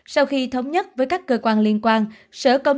sau khi thống nhất với các cơ quan liên quan